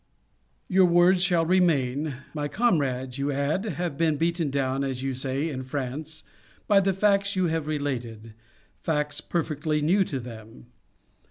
Your words shall remain. "My comrades," you add, "have been beaten down, as you say in France, by the facts you have related, facts perfectly new to them.